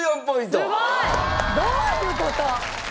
すごい！どういう事？